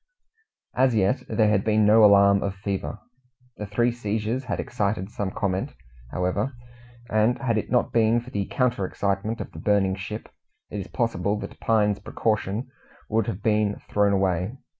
As yet there had been no alarm of fever. The three seizures had excited some comment, however, and had it not been for the counter excitement of the burning ship, it is possible that Pine's precaution would have been thrown away.